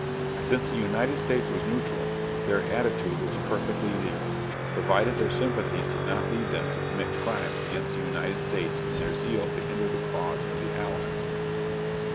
Since the United States was neutral, their attitude was perfectly legal, provided their sympathies did not lead them to commit crimes against the United States in their zeal to hinder the cause of the Allies.